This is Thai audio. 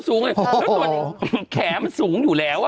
ดูแขนหน้าตบไหมแล้ว